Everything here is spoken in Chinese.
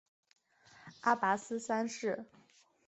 阿拔斯三世。